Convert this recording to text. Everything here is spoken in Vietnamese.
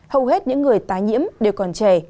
hầu hết những người tái nhiễm đều còn trẻ